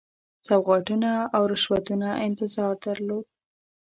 سوغاتونو او رشوتونو انتظار درلود.